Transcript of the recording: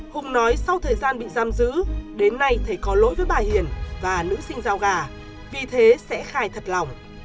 hùng nói sau thời gian bị giam giữ đến nay thấy có lỗi với bà hiền và nữ sinh giao gà vì thế sẽ khai thật lòng